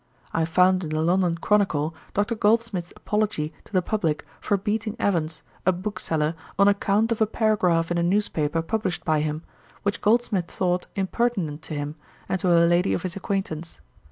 I found in the London Chronicle, Dr. Goldsmith's apology to the publick for beating Evans, a bookseller, on account of a paragraph in a newspaper published by him, which Goldsmith thought impertinent to him and to a lady of his acquaintance.